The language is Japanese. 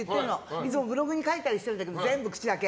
いつもブログに書いたりしてるけど全部口だけ。